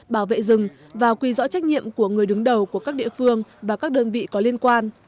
bảo vệ rừng và quy rõ trách nhiệm của người đứng đầu của các địa phương và các đơn vị có liên quan